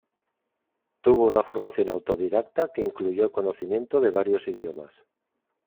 Tuvo una formación autodidacta, que incluyó el conocimiento de varios idiomas.